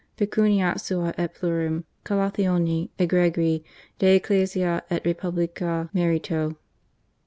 PECUNIA SUA ET PLURIM, CATHOL. COLLATIONE EGREGIE DE ECCLESIA ET REPUBLICA MERITO.